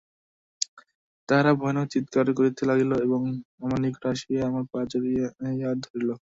তাহারা ভয়ানক চীৎকার করিতে লাগিল এবং আমার নিকট আসিয়া আমার পা জড়াইয়া ধরিল।